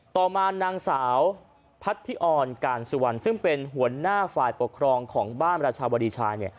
ต่อมานางสาวพัทธิออนการสุวรรณซึ่งเป็นหัวหน้าฝ่ายปกครองของบ้านราชาวดีชาย